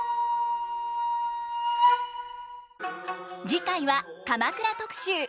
次回は鎌倉特集。